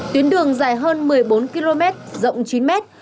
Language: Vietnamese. tuyến đường dài hơn một mươi bốn km rộng chín mét